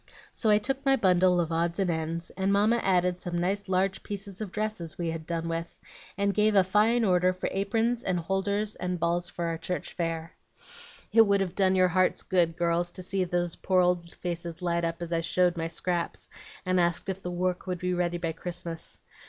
So I took my bundle of odds and ends, and Mamma added some nice large pieces of dresses we had done with, and gave a fine order for aprons and holders and balls for our church fair. "It would have done your hearts good, girls, to see those poor old faces light up as I showed my scraps, and asked if the work would be ready by Christmas.